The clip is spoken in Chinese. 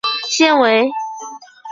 现为健康国际有限公司行政总裁。